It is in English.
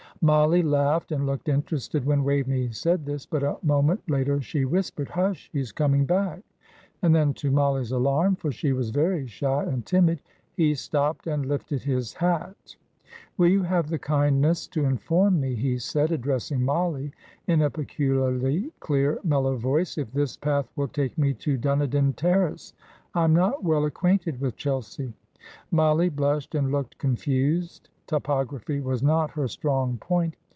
Mollie laughed, and looked interested when Waveney said this; but a moment later she whispered, "Hush! he is coming back;" and then, to Mollie's alarm for she was very shy and timid he stopped and lifted his hat. "Will you have the kindness to inform me," he said, addressing Mollie in a peculiarly clear, mellow voice, "if this path will take me to Dunedin Terrace. I am not well acquainted with Chelsea." Mollie blushed and looked confused. Topography was not her strong point.